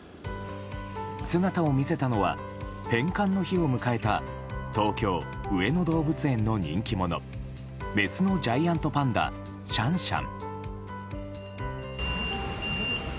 姿を見せたのは返還の日を迎えた東京・上野動物園の人気者メスのジャイアントパンダシャンシャン。